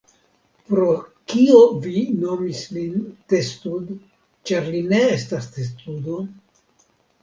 Pro kio vi nomis lin Testud ĉar li ne estis Testudo?